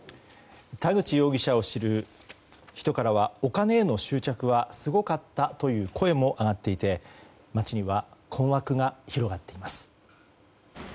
田口容疑者を知る人からはお金への執着はすごかったという声も上がっていて町には、困惑が広がっています。